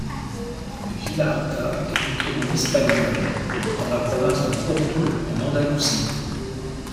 Villaharta est une commune espagnole, dans la province de Cordoue en Andalousie.